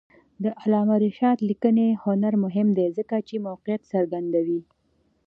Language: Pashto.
د علامه رشاد لیکنی هنر مهم دی ځکه چې موقعیت څرګندوي.